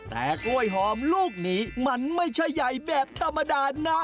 แต่กล้วยหอมลูกนี้มันไม่ใช่ใหญ่แบบธรรมดานะ